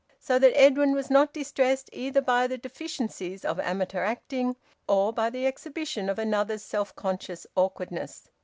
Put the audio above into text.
So that Edwin was not distressed either by the deficiencies of amateur acting or by the exhibition of another's self conscious awkwardness.